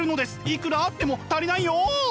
いくらあっても足りないよ！